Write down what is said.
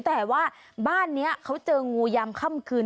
แต่ว่าบ้านนี้เขาเจองูยามค่ำคืน